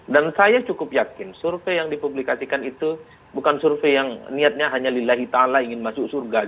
dan saya cukup yakin survei yang dipublikasikan itu bukan survei yang niatnya hanya lillahi ta'ala ingin masuk surga